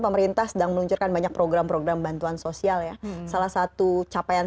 pemerintah sedang meluncurkan banyak program program bantuan sosial ya salah satu capaian